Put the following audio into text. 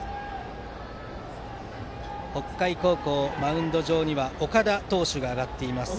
北海高校、マウンド上には岡田投手が上がっています。